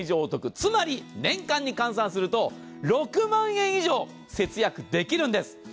つまり年間に換算すると６万円以上節約できるんです。